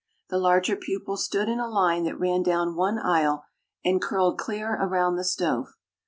The larger pupils stood in a line that ran down one aisle and curled clear around the stove.